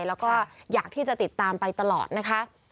แล้วก็อยากที่จะติดตามไปตลอดนะคะ